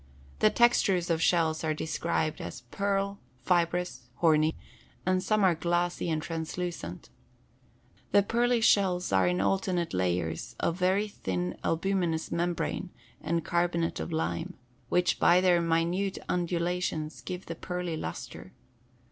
The textures of shells are described as pearl, fibrous, horny, and some are glassy and translucent. The pearly shells are in alternate layers of very thin albuminous membrane and carbonate of lime, which by their minute undulations give the pearly lustre.